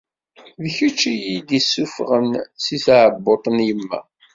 D kečč i iyi-id-issufɣen si tɛebbuḍt n yemma.